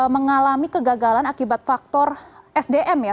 mengalami kegagalan akibat faktor sdm ya